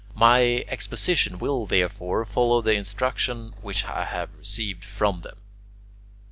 My exposition will, therefore, follow the instruction which I have received from them.